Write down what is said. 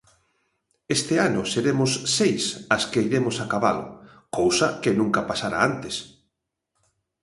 Este ano seremos seis as que iremos a cabalo, cousa que nunca pasara antes.